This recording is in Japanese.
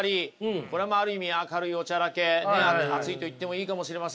これはまあある意味明るいおちゃらけ熱いといってもいいかもしれません。